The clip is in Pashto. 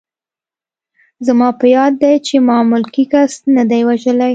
زما په یاد دي چې ما ملکي کس نه دی وژلی